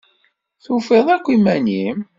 Tufiḍ akk iman-im?